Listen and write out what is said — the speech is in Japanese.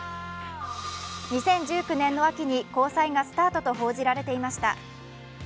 ２０１９年の秋に交際がスタートと報じられていました。